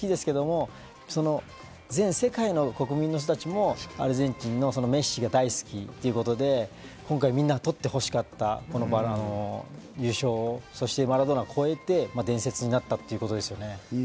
アルゼンチンの国民は好きですけど、全世界の国民の人たちもアルゼンチンのメッシが大好きってことで、今回みんな取ってほしかった優勝、そしてマラドーナを超えて伝説になったってことですよね。